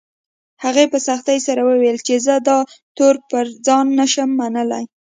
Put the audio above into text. هغې په سختۍ سره وويل چې زه دا تور پر ځان نه شم منلی